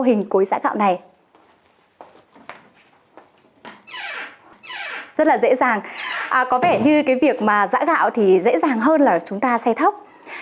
hình giã gạo này rất là dễ dàng có vẻ như cái việc mà giã gạo thì dễ dàng hơn là chúng ta xe thóc